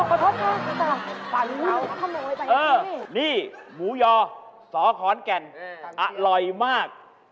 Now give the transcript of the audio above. ขอโทษค่ะนี่หมูยอสอขอนแก่นอร่อยมาก